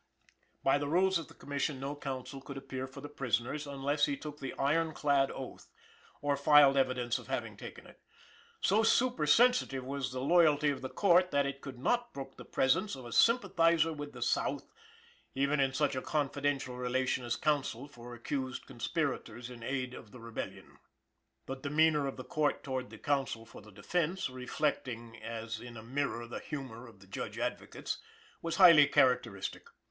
By the rules of the Commission no counsel could appear for the prisoners unless he took the "iron clad oath" or filed evidence of having taken it. So supersensitive was the loyalty of the Court that it could not brook the presence of a "sympathizer with the South," even in such a confidential relation as counsel for accused conspirators in aid of the Rebellion. The demeanor of the Court towards the counsel for the defense, reflecting as in a mirror the humor of the Judge Advocates, was highly characteristic.